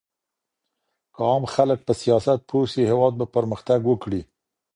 که عام خلګ په سياست پوه سي هيواد به پرمختګ وکړي.